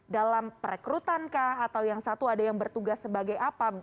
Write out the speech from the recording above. dalam perekrutankah atau yang satu ada yang bertugas sebagai apa